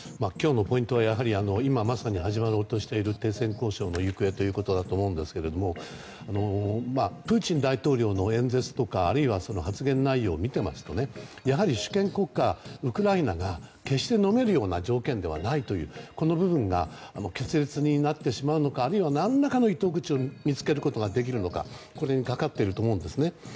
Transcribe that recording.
今日のポイントは今まさに始まろうとしている停戦交渉の行方ということだと思うんですけどプーチン大統領の演説とか発言内容を見ていますとやはり主権国家、ウクライナが決してのめるような条件ではないというこの部分が決裂になってしまうのかあるいは何らかの糸口を見つけることができるのかこれにかかっていると思うんです。